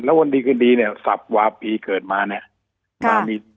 แล้ววันดีคืนดีเนี่ยสับวาปีเกิดมาเนี่ย